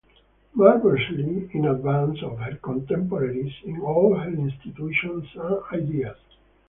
Marvellously in advance of her contemporaries in all her institutions and ideas.